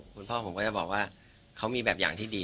คุณพ่อผมก็จะบอกว่าเขามีแบบอย่างที่ดี